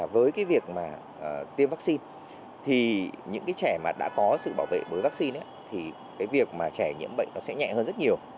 với cái việc mà tiêm vaccine thì những cái trẻ mà đã có sự bảo vệ với vaccine thì cái việc mà trẻ nhiễm bệnh nó sẽ nhẹ hơn rất nhiều